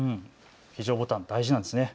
非常ボタン、大事なんですね。